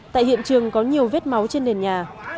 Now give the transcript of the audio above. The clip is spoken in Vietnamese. trường có nhiều vết máu trên nền nhà